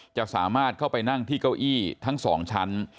จะสามารถเข้าไปนั่งที่เก้าอี้ทั้ง๒ชั้น